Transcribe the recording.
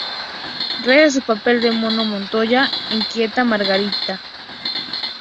Gracias a su papel de "Mono Montoya" en "¡Quieta, Margarita!